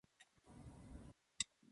財産および損益の状況